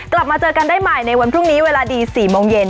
กลับมาเจอกันได้ใหม่ในวันพรุ่งนี้เวลาดี๔โมงเย็น